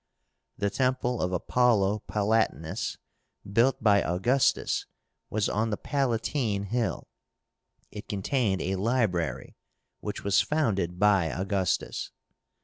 The Temple of Apollo Palatínus, built by Augustus, was on the Palatine Hill. It contained a library, which was founded by Augustus.